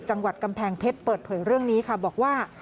จังหวัดกำแพงเพชรเปิดเผยเรื่องนี้ค่ะบอกว่า